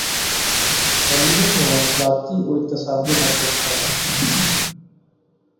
تعلیمی مواصلاتی و اقتصادی مرکز ہے